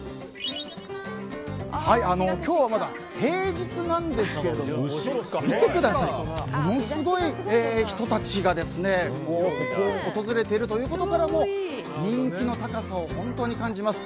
今日はまだ平日なんですが見てくださいものすごい人たちがここを訪れているということからも人気の高さを本当に感じます。